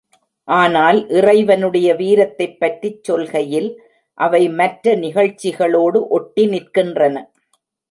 ஆனால் இறைவனுடைய வீரத்தைப் பற்றிச் சொல்கையில் அவை மற்ற நிகழ்ச்சிகளோடு ஒட்டி நிற்கின்றன.